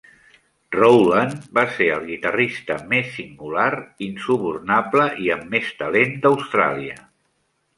Rowland va ser el guitarrista més singular, insubornable i amb més talent d'Austràlia.